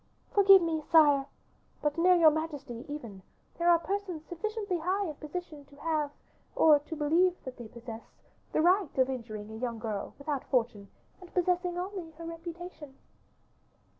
"Forgive me, sire, but near your majesty, even, there are persons sufficiently high in position to have, or to believe that they possess, the right of injuring a young girl, without fortune, and possessing only her reputation."